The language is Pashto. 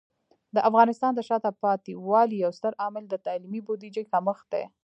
د افغانستان د شاته پاتې والي یو ستر عامل د تعلیمي بودیجه کمښت دی.